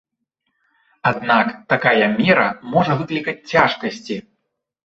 Аднак такая мера можа выклікаць цяжкасці.